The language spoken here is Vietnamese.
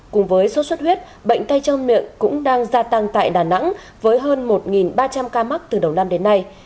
cùng với suốt suốt huyết bệnh tay chăn miệng cũng đang gia tăng tại đà nẵng với hơn một ba trăm linh ca mắc từ đầu năm đến nay